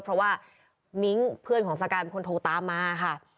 เพราะว่ามิ้งเพื่อนของสกายเป็นคนโทรตามมาค่ะ